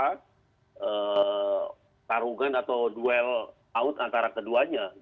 ada tarungan atau duel out antara keduanya